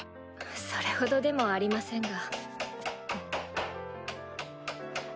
それほどでもありませんが。